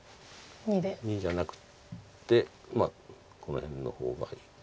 ②じゃなくてこの辺の方がいい。